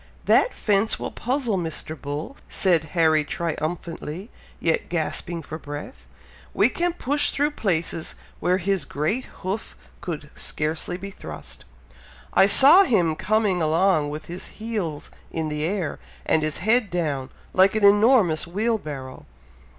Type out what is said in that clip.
"That fence will puzzle Mr. Bull," said Harry triumphantly, yet gasping for breath. "We can push through places where his great hoof could scarcely be thrust! I saw him coming along, with his heels high in the air, and his head down, like an enormous wheel barrow."